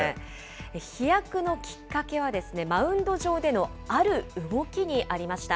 飛躍のきっかけはマウンド上でのある動きにありました。